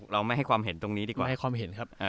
เราไม่ให้ความเห็นตรงนี้ดีกว่า